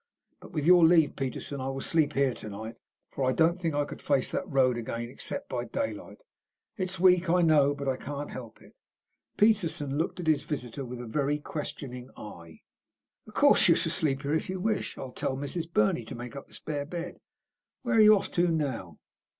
But, with your leave, Peterson, I will sleep here to night, for I don't think I could face that road again except by daylight. It's weak, I know, but I can't help it." Peterson looked at his visitor with a very questioning eye. "Of course you shall sleep here if you wish. I'll tell Mrs. Burney to make up the spare bed. Where are you off to now?"